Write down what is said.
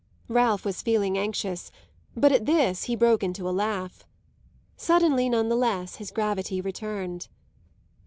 Ralph was feeling anxious, but at this he broke into a laugh. Suddenly, none the less, his gravity returned.